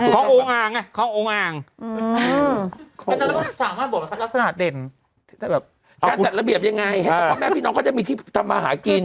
สามารถกับลักษณะเด่นจัดระเบียบยังไงอ่าเฮ้ยแม่พี่น้องก็จะมีที่ทำมาหากินฮะ